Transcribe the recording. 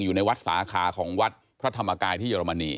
อยู่ในวัดสาขาของวัดพระธรรมกายที่เยอรมนี